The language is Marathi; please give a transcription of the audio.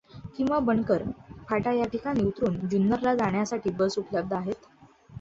किंवा बनकर फाटा या ठिकाणी उतरून जुन्नरला जाण्यासाठी बस उपलब्ध आहेत.